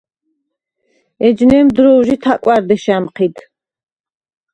ეჯნემ დრო̈ვჟი თა̈კვა̈რ დეშ ა̈მჴიდ.